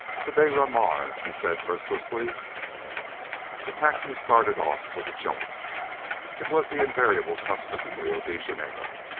"The Beira Mar," he said listlessly. The taxi started off with a jolt. It is the invariable custom in Rio de Janeiro.